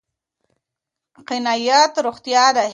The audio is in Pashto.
قناعت روغتيا ده